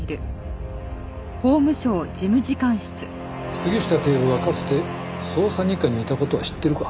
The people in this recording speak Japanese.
杉下警部はかつて捜査２課にいた事は知っているか？